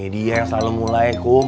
dia yang selalu mulai kum